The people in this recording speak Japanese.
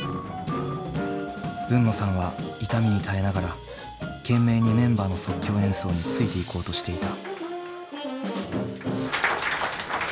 海野さんは痛みに耐えながら懸命にメンバーの即興演奏についていこうとしていた。